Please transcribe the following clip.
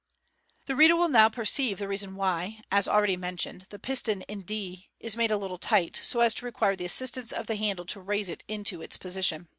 The reader will now per ceive the reason why, as already mentioned, the piston in d is made a little tight, so as to require the assistance of the handle to raise it into its position.